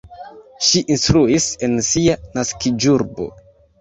Ŝi instruis en sia naskiĝurbo.